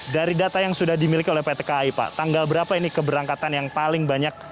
dari data yang sudah dimiliki oleh pt kai pak tanggal berapa ini keberangkatan yang paling banyak